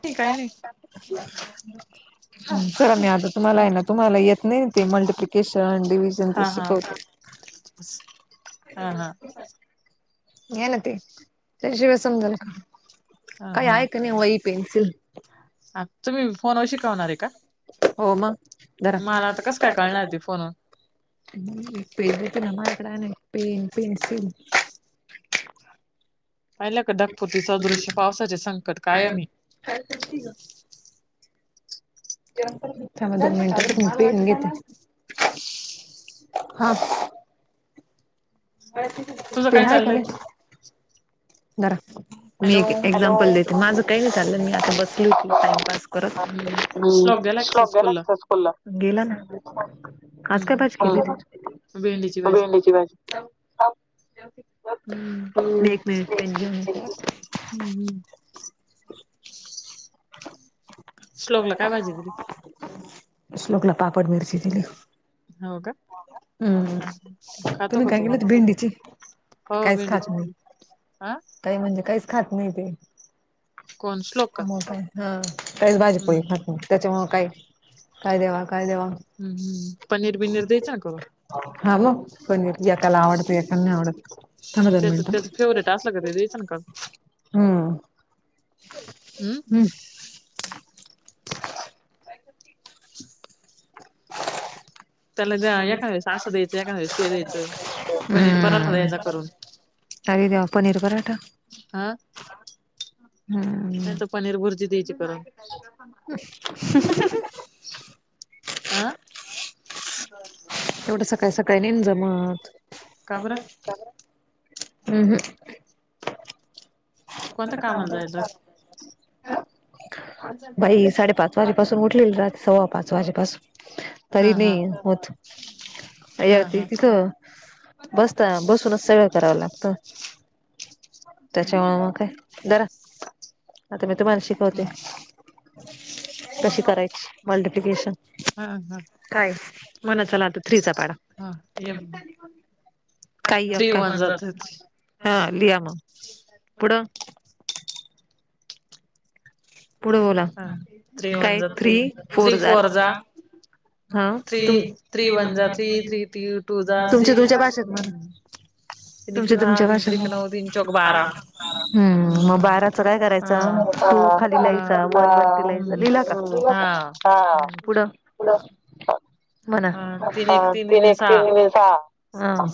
ते काही नाही ब [unintelligible] हा. हा. ह, ह. ह ह. आ तुमही [unintelligible] फोन व शिकवणारे का? माला आता कस काय कळणार ते फोनवर. प नकड [unintelligible] पहिलका, ढगफुटी सदृश्य पावसाचे संकट कायमे. थांबा दोन मिनट. पेन घेते. हा. तुझं काय चाललंय? धरा. माझं काही नाही चालं. मी आता बसली होती. टाइमपास करत. श्लोक गेला का? त्याच्या स्कूल ला. गेला ना. आज काय भाजी केली होती. भेंडीची भाजी. एक मिनट पेन घेऊदे. हम्म हम्म. श्लोक ला काय भाजी दीली. श्लोकला पापड मिरची दिली. हो का? खातो का? तो म. हो भेंडी ची केली. अं. काही म्हणजे, काहीच खात नाही ते. म काय. हा काहीच भाजी पोळी खात नाही. त्याच्यामुळ काही काय देवा, काय देवा? हा म. पणीर एकाला आवडत एकाला नाही आवडत. थांबा दोन मिनिट ह. असलं का ते द्यायचं न काढून. हम्म. हम्म. [unintelligible] [unintelligible] त्याला द एका वेळेस असं द्यायचं एख वेळेस ते द्यायचं पनीर पराठा द्यायचा करून कावी देव पनीर पराठा नाही तर पनीर भुरज द्यायची कारण आं. काबरा. तू कोणत्या कामा जाईल तर हा. बाई साडेपाच वाजेपासून उठलेल रात सव्वा पाच वाजेपासून तरी नाही होत. अवती तिथं बसता बसूनच सगळं करावं लागतं. हम्. काय जरा आता मी तू मान शिकवते. हम ह. हा हे. ्री वन जात. इपड. [unintelligible] पुढे बोला काय थ्री फोर हजार. हा तुमच्या तुमच्या्या भाषेत म्हण. तुमच्या तुमच्या भाषेने हम्म मग बार. काय करायच त दिलायचा दिलाय लिला का पुढं. ह. म्हणा तीन एक तीन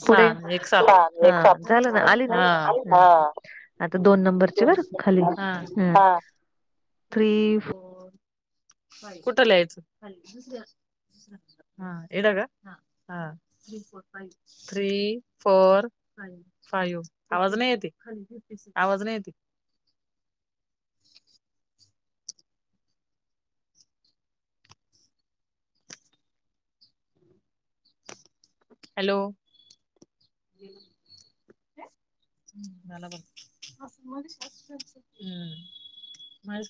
पुढ झालं ना आली ना आता दोन नंबरची वर खाली. हा. ह् हो कुठलायचं? हा येडग ह. Three four. फाईव आवाज नाही येते खा आवाज नाही येते. हॅलो. ह. ह्ला ब हम् म